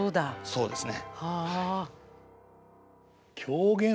そうですね。